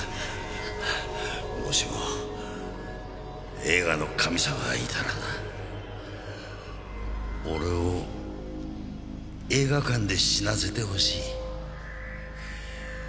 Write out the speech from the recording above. もしも映画の神様がいたらな俺を映画館で死なせてほしい。